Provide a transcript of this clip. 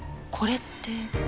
これって。